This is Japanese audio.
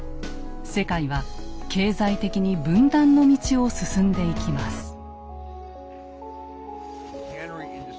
世界は経済的に分断の道を進んでいきます。